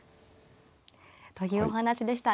というお話でした。